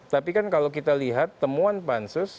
tapi kan kalau kita lihat temuan pansus